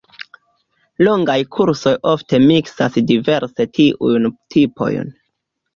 Longaj kursoj ofte miksas diverse tiujn tipojn.